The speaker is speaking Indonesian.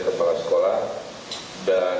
kepala sekolah dan